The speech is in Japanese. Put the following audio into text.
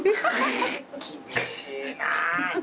厳しいな。